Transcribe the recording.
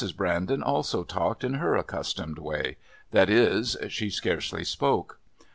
Brandon also talked in her accustomed way; that is, she scarcely spoke.